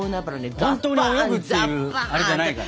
かまどほんとに泳ぐっていうあれじゃないから。